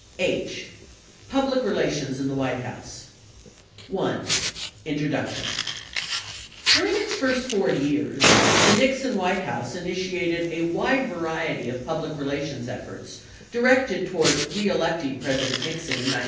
34 H. Public Relations in the White House 1. INTRODUCTION During its first 4 years, the Nixon White House initiated a wide variety of public relations efforts directed toward reelecting President Nixon in 1972.